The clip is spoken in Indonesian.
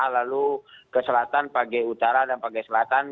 lalu ke selatan pagai utara dan pagai selatan